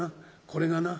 これがな